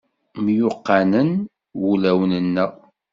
Myuqqanen wulawen-nneɣ.